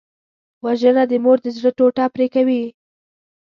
وژنه د مور د زړه ټوټه پرې کوي